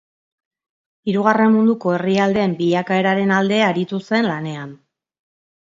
Hirugarren Munduko herrialdeen bilakaeraren alde aritu zen lanean.